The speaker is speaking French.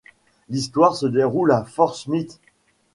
L'histoire se déroule à Fort Smith.